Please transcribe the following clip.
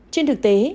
trên thực tế